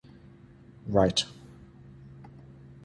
Wright.